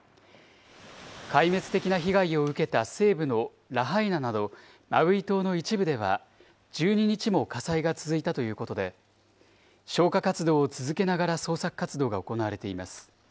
壊滅的な被害を受けた西部のラハイナなどマウイ島の一部では、１２日も火災が続いたということで、消火活動を続けながら捜索活動が行われています。